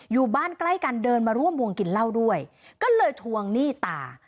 อยู่บ้านใกล้กันเดินมาร่วมวงกินเหล้าด้วยก็เลยทวงหนี้ตา